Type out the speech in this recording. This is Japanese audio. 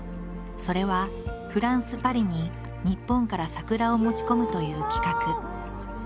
それはフランス・パリに日本から桜を持ち込むという企画。